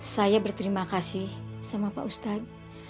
saya berterima kasih sama pak ustadz